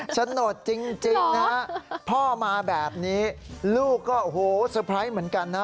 สนดจริงนะฮะพ่อมาแบบนี้ลูกก็โอ้โหเซอร์ไพรส์เหมือนกันนะ